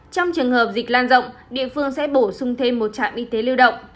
trong trường hợp dịch lan rộng địa phương sẽ bổ sung thêm một trạm y tế lưu động